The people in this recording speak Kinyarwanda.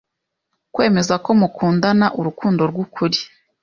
Kwemeza ko mukundana urukundo rw’ukuri